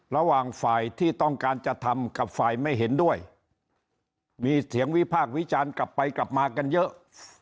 ระหว่างฝ่ายที่ต้องการจะทำกับฝ่ายไม่เห็นด้วยมีเสียงวิพากษ์วิจารณ์กลับไปกลับมากันเยอะ